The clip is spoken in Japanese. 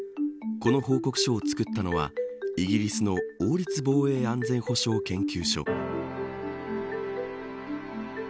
この報告書を作ったのはイギリスの王立防衛安全保障研究所。